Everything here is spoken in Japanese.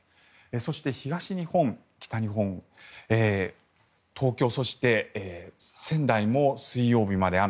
そして、東日本、北日本東京、そして仙台も水曜日まで雨。